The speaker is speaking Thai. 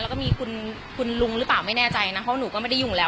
แล้วก็มีคุณลุงหรือเปล่าไม่แน่ใจนะเพราะหนูก็ไม่ได้ยุ่งแล้ว